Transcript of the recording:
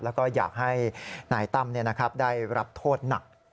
แล้วก็อยากให้นายตั้มได้รับโทษหนัก